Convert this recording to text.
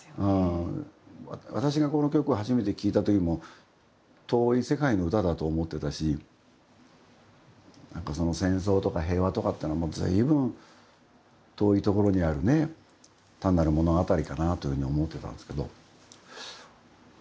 私がこの曲を初めて聴いたときも遠い世界の歌だと思ってたし戦争とか平和とかってのはずいぶん遠いところにあるね単なる物語かなというふうに思ってたんですけど。